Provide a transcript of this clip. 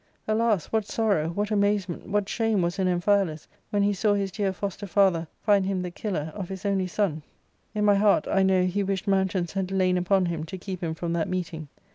Alas, what sorrow, what amazement, what shame was in Amphialus when he saw his dear foster father find him the killer of his J 60 ARCADIA.— Book L only son ! In my heart, I know, he wished mountains had lain upon him, to keep him from that meeting.